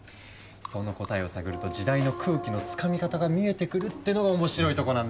その答えを探ると時代の空気のつかみ方が見えてくるっていうのが面白いとこなんですよ。